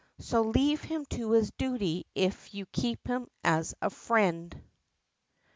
So leave him to his duty, if you'd keep him as a friend.